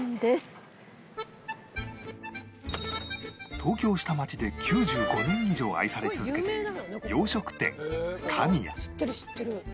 東京下町で９５年以上愛され続けている洋食店香味屋